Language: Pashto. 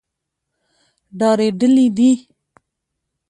ډارېدلي دي.